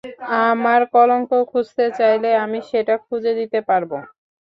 আমার কলঙ্ক খুঁজতে চাইলে আমি সেটা খুঁজে দিতে পারবো।